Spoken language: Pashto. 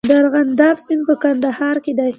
د ارغنداب سیند په کندهار کې دی